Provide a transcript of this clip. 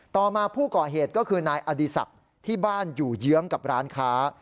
ต่อมาผู้ก่อเหตุก็คือนายอดีศักดิ์ที่บ้านอยู่เยื้องกับร้านค้า